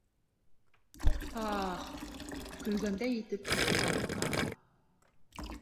— Ха-а-ах-х, — көлгәндәй итеп хихылданы Каа.